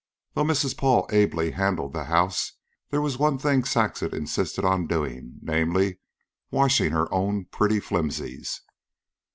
Though Mrs. Paul ably handled the house, there was one thing Saxon insisted on doing namely, washing her own pretty flimsies.